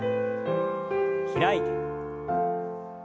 開いて。